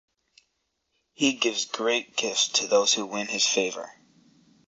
He gives great gifts to those who win his favor.